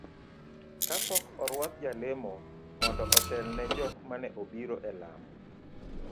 kapok orwuak jalemo mondo otel ne jok maneobiro e lamo